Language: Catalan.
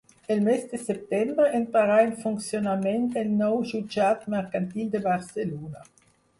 El mes de setembre entrarà en funcionament el nou Jutjat Mercantil de Barcelona.